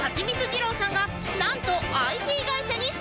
二郎さんがなんと